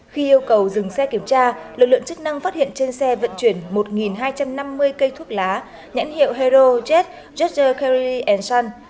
khi yêu cầu dừng xe kiểm tra lực lượng chức năng phát hiện trên xe vận chuyển một hai trăm năm mươi cây thuốc lá nhãn hiệu hero jet judge curry son